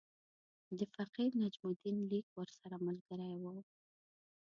د فقیر نجم الدین لیک ورسره ملګری وو.